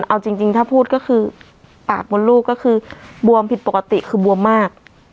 เอาจริงถ้าพูดก็คือปากบนลูกก็คือบวมผิดปกติคือบวมมาก